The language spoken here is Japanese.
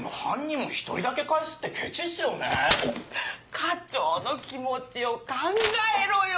課長の気持ちを考えろよ！